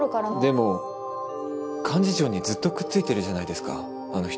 でも幹事長にずっとくっついてるじゃないですかあの人。